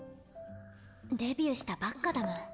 デビューしたばっかだもん。